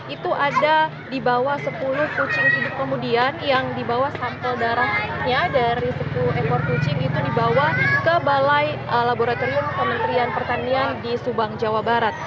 itu ada di bawah sepuluh kucing hidup kemudian yang dibawa sampel darahnya dari sepuluh ekor kucing itu dibawa ke balai laboratorium kementerian pertanian di subang jawa barat